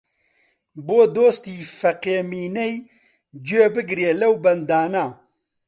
بۆ دۆستی فەقێ مینەی گوێ بگرێ لەو بەندانە